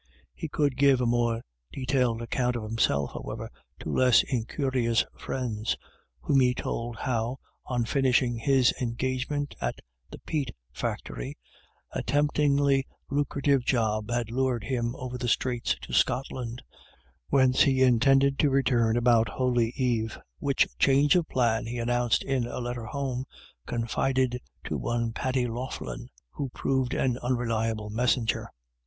He could give a more detailed account of him self, however, to less incurious friends, whom he told how, on finishing his engagement at the peat factory, a temptingly lucrative job had lured him over the straits to Scotland, whence he intended to BETWEEN TWO LADY DA VS. 239 return about Holy Eve, which change of plan he announced in a letter home, confided to one Paddy Loughlin, who proved an unreliable messenger.